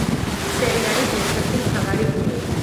სერიალის ერთ-ერთი მთავარი გმირი.